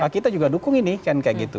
kita juga dukung ini kan kayak gitu